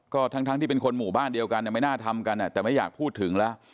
ก็ทั้งที่เป็นคนหมู่บ้านเดียวกันไม่น่าทำกันแต่ไม่อยากพูดถึงแล้ว